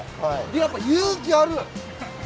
やっぱり勇気ある！